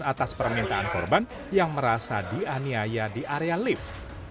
atas permintaan korban yang merasa dianiaya di area lift